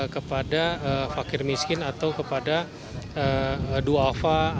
kepada fakir miskin atau kepada dua alfa